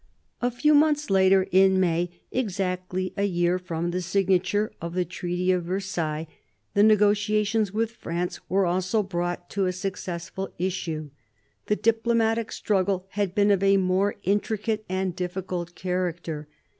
A few months later, in May, exactly a year from the signature of the Treaty of Versailles, the negotiations with France were also brought to a successful issue. The diplomatic struggle had been of a more intricate and difficult character.